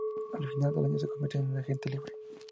Al final del año, se convirtió en agente libre.